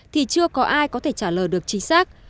thì chưa có ai có thể trả lời được chính xác